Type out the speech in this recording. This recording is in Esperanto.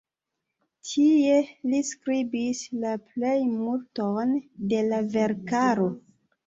Tie li skribis la plejmulton de la verkaro.